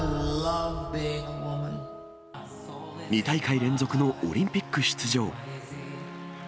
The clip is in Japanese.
２大会連続のオリンピック出場。